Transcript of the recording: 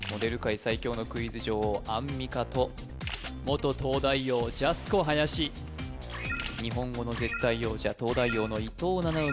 最強のクイズ女王アンミカと元東大王ジャスコ林日本語の絶対王者東大王の伊藤七海